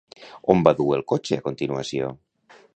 On va dur el cotxe a continuació?